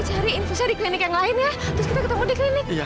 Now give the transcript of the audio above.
ya allah mbak